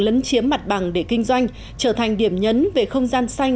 lấn chiếm mặt bằng để kinh doanh trở thành điểm nhấn về không gian xanh